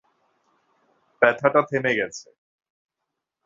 ব্যথাটা থেমে গেছে।